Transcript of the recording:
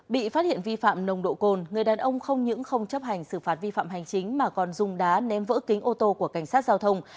bị phát hiện vi phạm nồng độ cồn người đàn ông không những không chấp hành xử phạt vi phạm hành chính mà còn dùng đá ném vỡ kính ô tô của cảnh sát giao thông